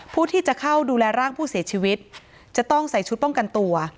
ผู้ที่จะเข้าดูแลร่างผู้เสียชีวิตจะต้องใส่ชุดป้องกันตัว